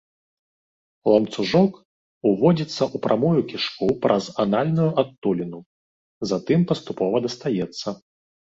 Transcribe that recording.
Ланцужок уводзіцца ў прамую кішку праз анальную адтуліну, затым паступова дастаецца.